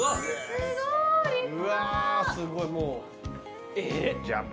うわすごいもう。